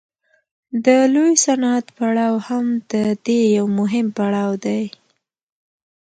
د لوی صنعت پړاو هم د دې یو مهم پړاو دی